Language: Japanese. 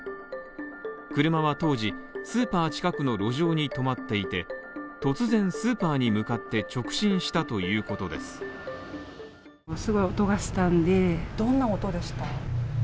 車は当時スーパー近くの路上に止まっていて突然スーパーに向かって直進したということです。